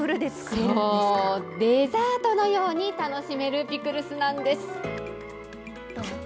そう、デザートのように楽しめるピクルスなんです。